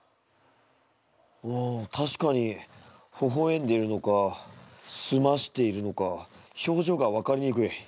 うんたしかにほほえんでいるのかすましているのか表情がわかりにくい。